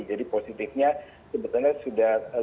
jadi positifnya sebetulnya sudah lemah sudah negatif